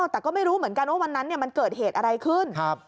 แต่ก็ไม่รู้เหมือนกันว่าวันนั้นมันเกิดเหตุอะไรขึ้น